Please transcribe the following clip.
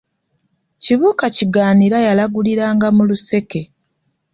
Kibuuka Kigaanira yalaguliranga mu luseke.